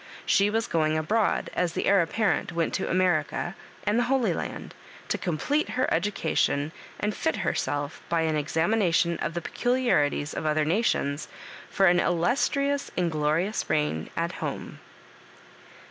She was going abroad as the heir apparent went to America and the Holy Land, to complete her education, and fit herselt^ by an examination of the peculiarities of other nations, for an illustrious aud glorious reign at home.